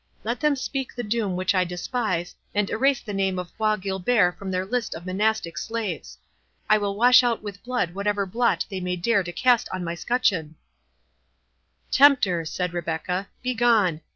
Let them speak the doom which I despise, and erase the name of Bois Guilbert from their list of monastic slaves! I will wash out with blood whatever blot they may dare to cast on my scutcheon." "Tempter," said Rebecca, "begone!